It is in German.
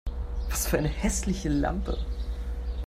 Was für eine hässliche Lampe